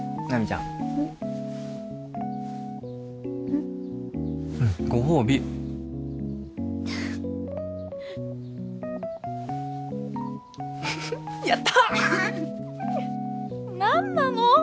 何なの？